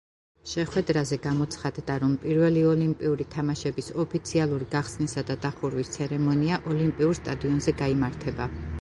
შეხვედრაზე გამოცხადდა, რომ პირველი ევროპული თამაშების ოფიციალური გახსნისა და დახურვის ცერემონია ოლიმპიურ სტადიონზე გაიმართება.